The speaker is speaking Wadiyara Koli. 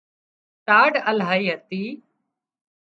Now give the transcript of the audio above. ٽاڍ الاهي هتي